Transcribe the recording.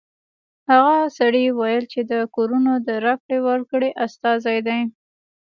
هغه سړي ویل چې د کورونو د راکړې ورکړې استازی دی